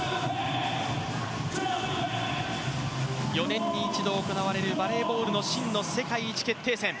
４年に一度行われるバレーボールの真の世界一決定戦